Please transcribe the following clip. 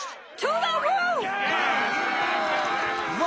うわ！